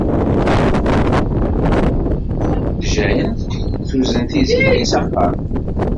Jane tuzen Tiziri s axxam.